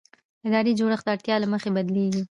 اداري جوړښت د اړتیا له مخې بدلېږي.